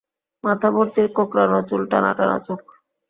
মাথাভর্তি কোঁকড়ানো চুল টানা টানা চোখ।